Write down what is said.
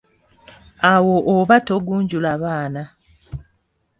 Awo oba togunjula baana.